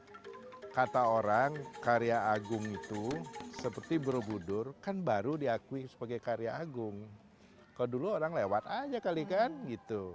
kalau kata orang karya agung itu seperti borobudur kan baru diakui sebagai karya agung kalau dulu orang lewat aja kali kan gitu